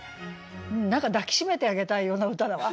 何か抱き締めてあげたいような歌だわ。